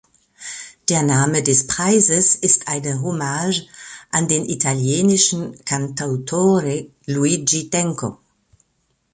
Der Name des Preises ist eine Hommage an den italienischen Cantautore Luigi Tenco.